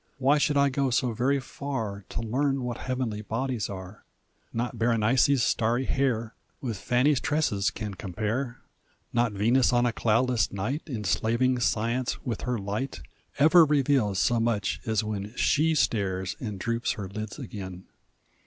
Why should I go so very far To learn what heavenly bodies are! Not Berenice's starry hair With Fanny's tresses can compare; Not Venus on a cloudless night, Enslaving Science with her light, Ever reveals so much as when SHE stares and droops her lids again.